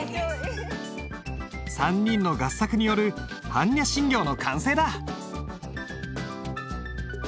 ３人の合作による般若心経の完成だ。